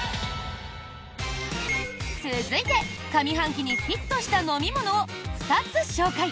続いて上半期にヒットした飲み物を２つ紹介！